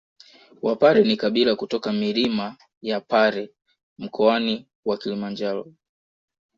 Wapare ni kabila kutoka milima ya Pare Mkoani wa Kilimanjaro